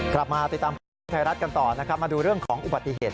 กลับมาติดตามไทรรัฐกันต่อมาดูเรื่องของอุบัติเหตุ